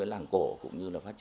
như đình chùa các ngôi nhà cổ